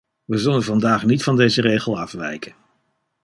We zullen vandaag niet van deze regel afwijken.